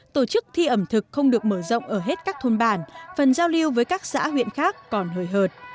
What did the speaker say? tổ chức thi ẩm thực không được mở rộng ở hết các thôn bản phần giao lưu với các xã huyện khác còn hời hợt